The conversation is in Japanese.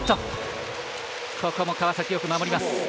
ここも川崎よく守ります。